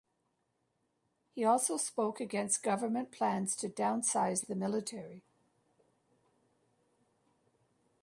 He also spoke against government plans to downsize the military.